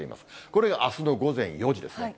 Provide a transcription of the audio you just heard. これがあすの午前４時ですね。